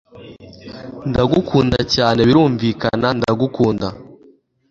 ndagukunda cyane ; birumvikana, ndagukunda